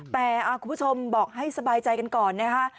แต่คุณผู้ชมบอกให้สบายใจกันก่อนนะคะ